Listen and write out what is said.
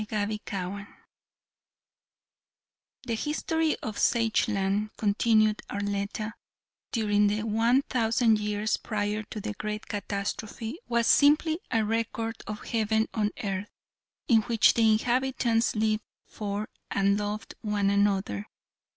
CHAPTER XVIII "The history of Sageland," continued Arletta, "during one thousand years prior to the great catastrophe was simply a record of heaven on earth, in which the inhabitants lived for and loved one another.